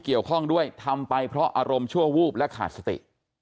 เกี่ยวข้องด้วยทำไปเพราะอารมณ์ชั่ววูบและขาดสติ